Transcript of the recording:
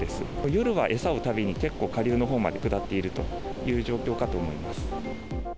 夜は餌を食べに結構、下流のほうまで下っているという状況かと思います。